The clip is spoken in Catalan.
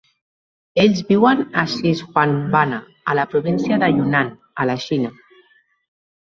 Ells viuen a Xishuangbanna, a la província de Yunnan, a la Xina.